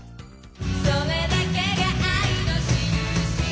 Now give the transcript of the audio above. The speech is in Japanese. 「それだけが愛のしるし」